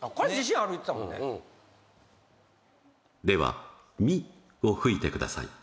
これ自信ある言ってたもんねではミを吹いてください